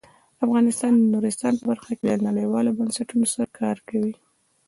افغانستان د نورستان په برخه کې له نړیوالو بنسټونو سره کار کوي.